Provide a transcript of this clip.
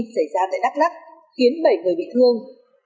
xảy ra tại đắk lắc khiến bảy người bị thương